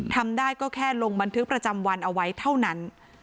ทำได้ก็แค่ลงบันทึกประจำวันเอาไว้เท่านั้น